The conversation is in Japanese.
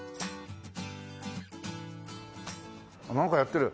なんかやってる。